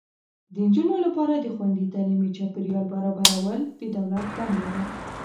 د نجونو لپاره د خوندي تعلیمي چاپیریال برابرول د دولت دنده ده.